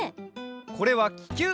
これはききゅう。